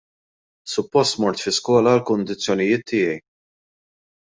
Suppost mort fi skola għall-kundizzjoni tiegħi.